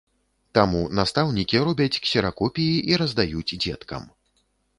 Таму настаўнікі робяць ксеракопіі і раздаюць дзеткам.